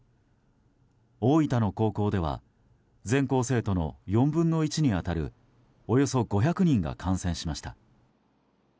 大分の高校では全校生徒の４分の１に当たるおよそ５００人が感染しました。